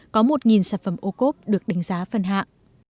có một sản phẩm ocob được đánh giá phân hạng